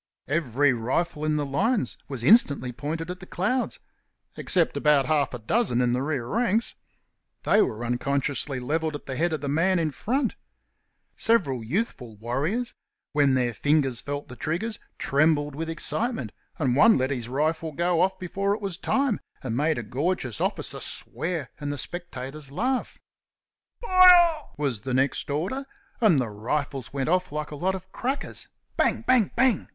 Every rifle in the lines was instantly pointed at the clouds except about half a dozen in the rear ranks. They were unconsciously levelled at the head of the man in front. Several youthful warriors, when their fingers felt the triggers, trembled with excitement, and one let his rifle go off before it was time and made a gorgeous officer swear and the spectators laugh. "Fire!" was the next order, and the rifles went off like a lot of crackers "bang! bang! bang!"